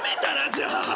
じゃあ。